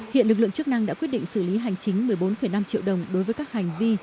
hiện lực lượng chức năng đã quyết định xử lý hành chính một mươi bốn năm triệu đồng đối với các hành vi